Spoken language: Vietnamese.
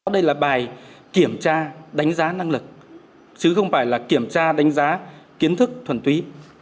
đây là bài kiểm tra đánh giá năng lực chứ không phải là kiểm tra đánh giá kiến thức thuần túy